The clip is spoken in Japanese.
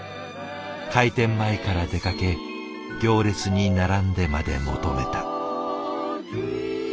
開店前から出かけ行列に並んでまで求めた。